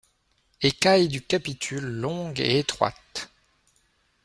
Écailles du capitule longues et étroites.